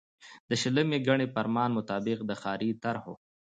د شلمي ګڼي فرمان مطابق د ښاري طرحو